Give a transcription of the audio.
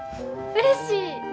うれしい。